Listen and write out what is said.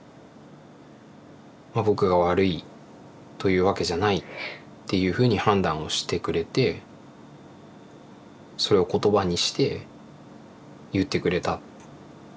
僕が悪いというわけじゃないっていうふうに判断をしてくれてそれを言葉にして言ってくれた。